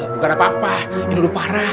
bukan apa apa ini udah parah